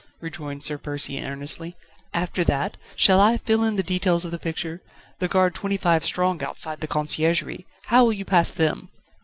rejoined Sir Percy earnestly, "after that? Shall I fill in the details of the picture? the guard twenty five strong outside the Conciergerie, how will you pass them?"